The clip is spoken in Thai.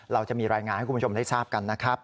เราจะมีรายงานให้คุณผู้ชมได้ทราบกันนะครับ